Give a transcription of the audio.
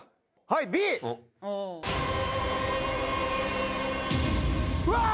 はいＢうわー